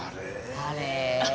あれ？